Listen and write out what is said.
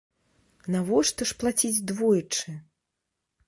Навошта ж плаціць двойчы?